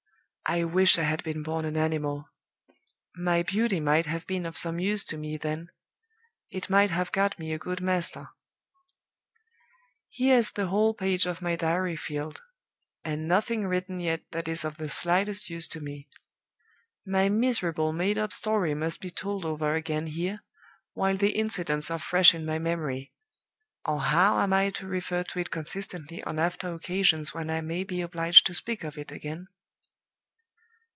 I wish I had been born an animal. My beauty might have been of some use to me then it might have got me a good master. "Here is a whole page of my diary filled; and nothing written yet that is of the slightest use to me! My miserable made up story must be told over again here, while the incidents are fresh in my memory or how am I to refer to it consistently on after occasions when I may be obliged to speak of it again?